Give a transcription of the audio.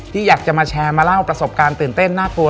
อยากจะมาแชร์มาเล่าประสบการณ์ตื่นเต้นน่ากลัว